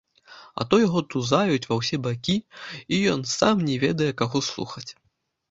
А то яго тузаюць ва ўсе бакі, і ён сам не ведае, каго слухаць.